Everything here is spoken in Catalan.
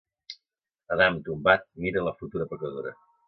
Adam, tombat, mira la futura pecadora.